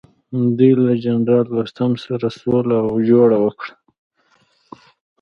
دوی له جنرال دوستم سره سوله او جوړه وکړه.